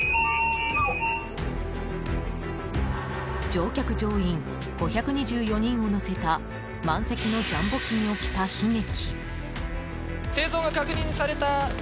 乗客・乗員５２４人を乗せた満席のジャンボ機に起きた悲劇。